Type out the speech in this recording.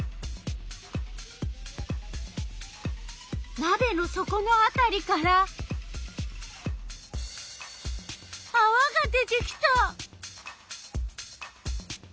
なべのそこのあたりからあわが出てきた！